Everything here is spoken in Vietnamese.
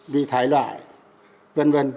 vì thải loại vân vân